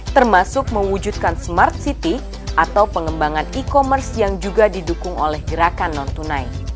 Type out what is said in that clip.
termasuk mewujudkan smart city atau pengembangan e commerce yang juga didukung oleh gerakan non tunai